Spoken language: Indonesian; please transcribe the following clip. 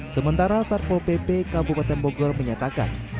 sementara satpol pp kabupaten bogor menyatakan